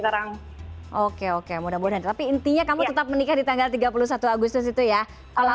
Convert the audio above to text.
sekarang oke oke mudah mudahan tapi intinya kamu tetap menikah di tanggal tiga puluh satu agustus itu ya olah